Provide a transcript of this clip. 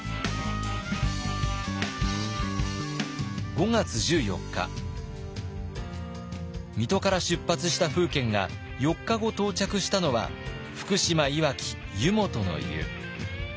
５月１４日水戸から出発した楓軒が４日後到着したのは福島いわき湯本の湯。